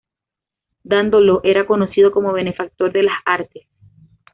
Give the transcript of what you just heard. Dandolo era conocido como benefactor de las artes.